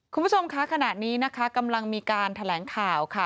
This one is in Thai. คุณผู้ชมคะขณะนี้นะคะกำลังมีการแถลงข่าวค่ะ